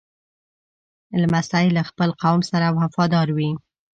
لمسی له خپل قوم سره وفادار وي.